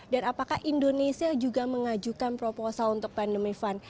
dan apakah indonesia juga mengajukan proposal untuk pandemi fund